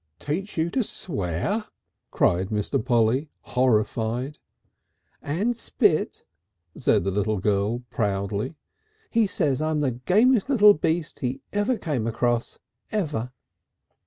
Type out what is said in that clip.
"Teach you to swear!" cried Mr. Polly, horrified. "And spit," said the little girl proudly. "He says I'm the gamest little beast he ever came across ever."